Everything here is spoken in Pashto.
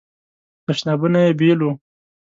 تشنابونه یې بیل وو.